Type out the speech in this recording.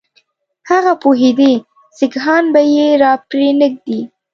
هغه پوهېدی سیکهان به یې را پرې نه ږدي.